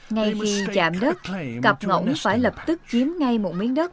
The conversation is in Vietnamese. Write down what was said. ngay khi chạm đất cặp ngỗng phải lập tức chiếm ngay một miếng đất